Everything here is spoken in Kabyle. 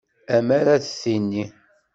Amer ad tini.